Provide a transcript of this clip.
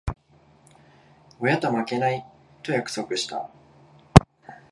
親と負けない、と約束した。